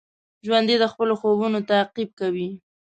ژوندي د خپلو خوبونو تعقیب کوي